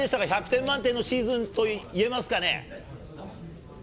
１００点満点のシーズンといえますかね。